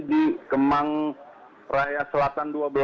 di kemang raya selatan dua belas